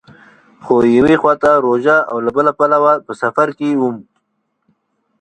خو یوې خوا ته روژه او له بله پلوه په سفر کې وم.